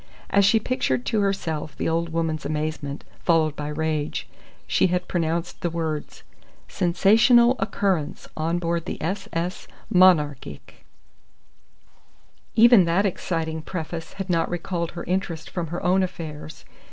As she pictured to herself the old woman's amazement, followed by rage, she had pronounced the words: SENSATIONAL OCCURRENCE ON BOARD THE S.S. MONARCHIC Even that exciting preface had not recalled her interest from her own affairs.